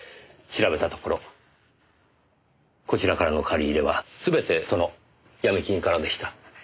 調べたところこちらからの借り入れはすべてそのヤミ金からでした。